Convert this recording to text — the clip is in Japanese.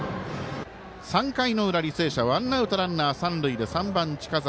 ３回の裏、履正社ワンアウト、ランナー、三塁で３番、近澤。